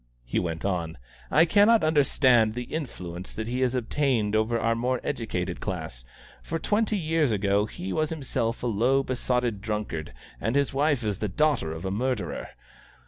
he went on; "I cannot understand the influence that he has obtained over our more educated class; for twenty years ago he was himself a low, besotted drunkard, and his wife is the daughter of a murderer!